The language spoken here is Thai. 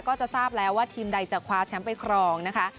ก็จะทราบแล้วว่าทีมใดจะคว้าแชมป์ไปครองนะคะ